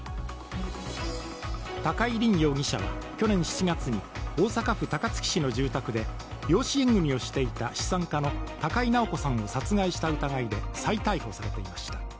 高井凜容疑者は去年７月に大阪府高槻市の住宅で養子縁組をしていた資産家の高井直子さんを殺害した疑いで再逮捕されていました。